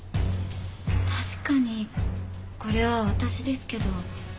確かにこれは私ですけど。